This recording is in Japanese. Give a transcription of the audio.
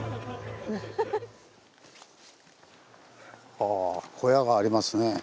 はぁ小屋がありますね。